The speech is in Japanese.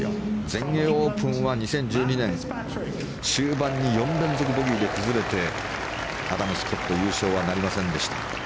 全英オープンは２０１２年終盤に４連続ボギーで崩れてアダム・スコット優勝はなりませんでした。